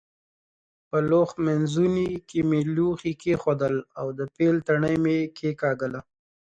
په لوښ مینځوني کې مې لوښي کېښودل او د پیل تڼۍ مې کېکاږله.